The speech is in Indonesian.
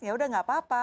ya udah nggak apa apa